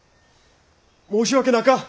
申し訳なか！